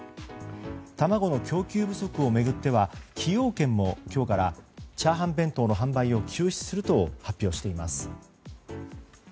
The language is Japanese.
卵の供給不足を巡っては崎陽軒も今日から炒飯弁当の販売を休止すると発表しています。